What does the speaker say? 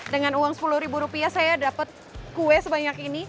dengan uang sepuluh ribu rupiah saya dapat kue sebanyak ini